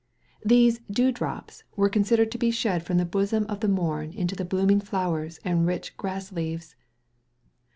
These "dew drops" were considered to be shed from the bosom of the morn into the blooming flowers and rich grass leaves.